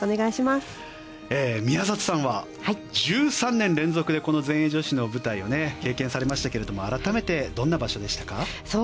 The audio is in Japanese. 宮里さんは１３年連続でこの全英女子の舞台を経験されましたけれども改めて、どんな場所でしたか？